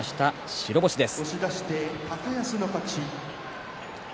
白星です。